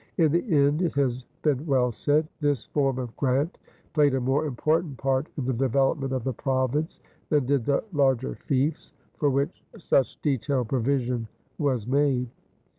"In the end," it has been well said, "this form of grant played a more important part in the development of the province than did the larger fiefs for which such detailed provision was made."